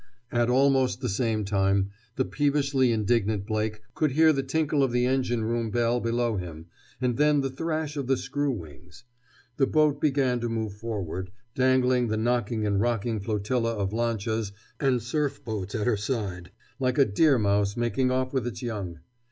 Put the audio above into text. At almost the same time the peevishly indignant Blake could hear the tinkle of the engine room bell below him and then the thrash of the screw wings. The boat began to move forward, dangling the knocking and rocking flotilla of lanchas and surf boats at her side, like a deer mouse making off with its young.